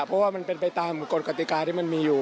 เพราะว่ามันเป็นไปตามกฎกติกาที่มันมีอยู่